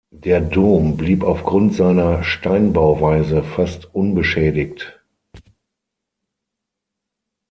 Der Dom blieb aufgrund seiner Steinbauweise fast unbeschädigt.